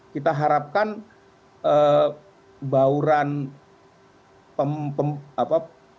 kita harapkan bauran apa